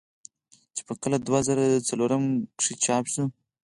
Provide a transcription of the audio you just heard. چې پۀ کال دوه زره څلورم کښې چاپ شو ۔